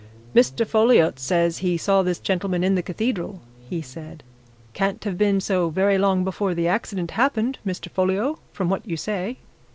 "Mr. Folliot says he saw this gentleman in the Cathedral," he said. "Can't have been so very long before the accident happened, Mr. Folliot, from what you say."